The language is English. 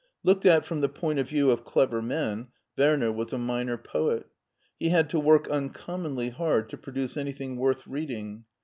Looked at from the point of view of clever men, Werner was a minor poet. He had to work uncom monly hard to produce anything worth reading.